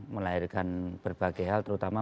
melahirkan berbagai hal terutama